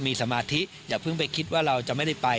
มีสมาธิอย่าเพิ่งไปคิดว่าเราจะไม่ได้ไป